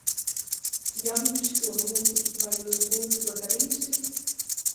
Ja viņš to būtu, vai jūs būtu to darījusi?